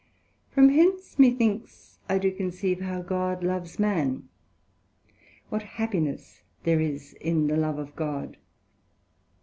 From hence me thinks I do conceive how God loves man, what happiness there is in the love of God.